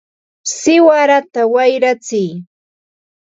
¡siwarata wayratsiy!